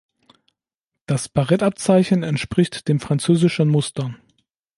Das Barettabzeichen entspricht dem französischen Muster.